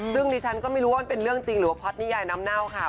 ซึ่งดิฉันก็ไม่รู้ว่ามันเป็นเรื่องจริงหรือว่าพ็ตนิยายน้ำเน่าค่ะ